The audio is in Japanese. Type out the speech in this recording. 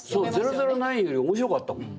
「００９」より面白かったもん。